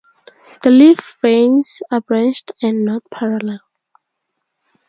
The leaf veins are branched and not parallel.